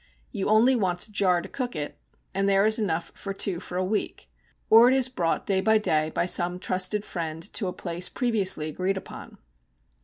You only want a jar to cook it, and there is enough for two for a week; or it is brought day by day by some trusted friend to a place previously agreed upon.